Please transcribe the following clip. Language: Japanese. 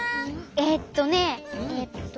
えっとねえっと。